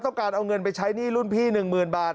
ต้องการเอาเงินไปใช้หนี้รุ่นพี่๑๐๐๐บาท